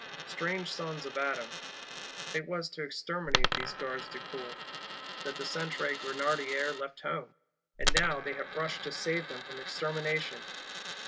Strange Sons of Adam! It was to "exterminate" these Gardes du Corps that the Centre Grenadiers left home: and now they have rushed to save them from extermination.